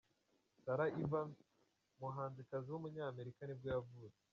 Sara Evans, umuhanzikazi w’umunyamerika nibwo yavutse.